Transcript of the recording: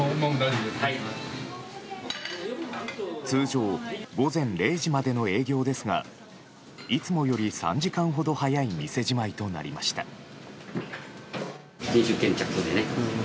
通常、午前０時までの営業ですがいつもより３時間ほど早い店じまいとなりました。